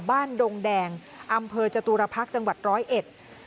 ดงแดงอำเภอจตุรพักษ์จังหวัดร้อยเอ็ด